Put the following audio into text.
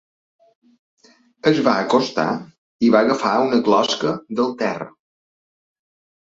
Es va acostar i va agafar una closca del terra.